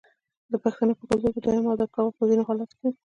د پښتنو په کلتور کې د دویم واده کول په ځینو حالاتو کې وي.